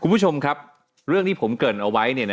คุณผู้ชมครับเรื่องที่ผมเกิดเอาไว้